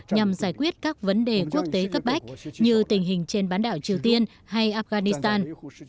nhằm giải quyết các vấn đề quốc tế cấp bách như tình hình trên bán đảo triều tiên hay afghanistan